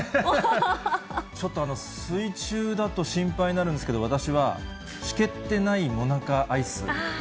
ちょっと水中だと心配になるんですけど、私は、しけってないもなかアイス。